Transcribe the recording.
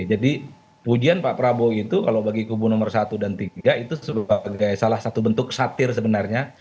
jadi pujian pak prabowo itu kalau bagi kubu nomor satu dan tiga itu sebagai salah satu bentuk satir sebenarnya